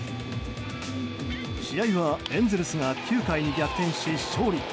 試合はエンゼルスが９回に逆転し、勝利。